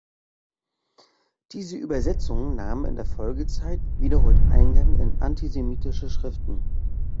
Diese Übersetzungen nahmen in der Folgezeit wiederholt Eingang in antisemitische Schriften.